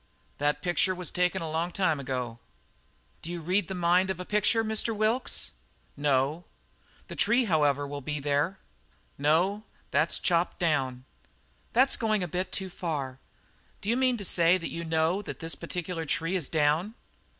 "That picture was taken a long time ago." "Do you read the mind of a picture, Mr. Wilkes?" "No." "The tree, however, will be there." "No, that's chopped down." "That's going a bit too far. Do you mean to say you know that this particular tree is down?"